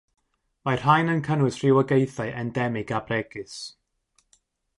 Mae'r rhain yn cynnwys rhywogaethau endemig a bregus.